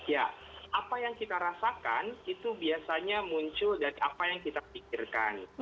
ya apa yang kita rasakan itu biasanya muncul dari apa yang kita pikirkan